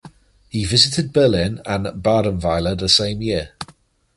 He visited Berlin and Badenweiler the same year.